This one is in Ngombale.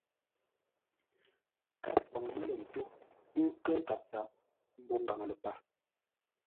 Gháp kwaŋ mə́ lə̂ ntó ńkə́ nkâp zap mbô ngaŋ ləpar.